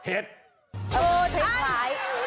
เออใช้สาย